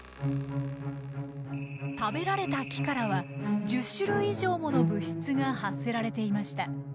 食べられた木からは１０種類以上もの物質が発せられていました。